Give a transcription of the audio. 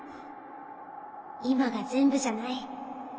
今が全部じゃない。